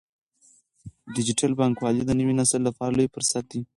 ډیجیټل بانکوالي د نوي نسل لپاره لوی فرصت دی۔